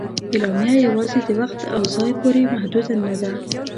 اعلامیه یواځې د وخت او ځای پورې محدود نه ده.